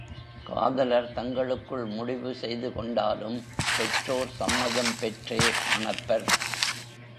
காதலர் தங்களுக்குள் முடிவு செய்து கொண்டாலும் பெற்றோர் சம்மதம் பெற்றே மணப்பர்.